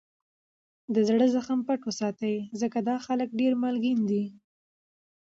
دزړه زخم پټ وساتئ! ځکه دا خلک دېر مالګین دي.